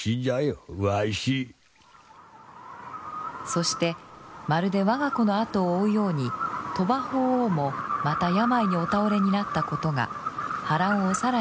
そしてまるで我が子の後を追うように鳥羽法皇もまた病にお倒れになったことが波乱を更に大きくしました。